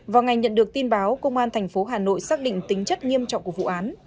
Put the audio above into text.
vào ngày nhận được tin báo công an thành phố hà nội xác định tính chất nghiêm trọng của vụ án